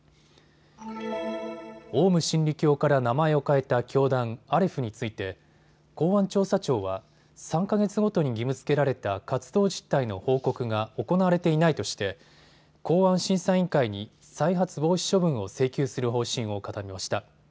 オウム真理教から名前を変えた教団、アレフについて公安調査庁は３か月ごとに義務づけられた活動実態の報告が行われていないとして公安審査委員会に再発防止処分を請求する方針を固めました。